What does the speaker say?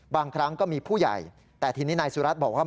บางครั้งก็มีผู้ใหญ่แต่ทีนี้นายสุรัตน์บอกว่า